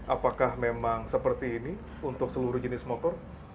apakah memang seperti ini untuk seluruh jenis motor